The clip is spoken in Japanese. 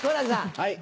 はい。